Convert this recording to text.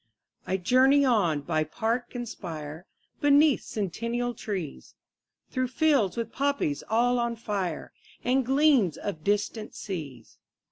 20 I journey on by park and spire, Beneath centennial trees, Through fields with poppies all on fire, And gleams of distant seas.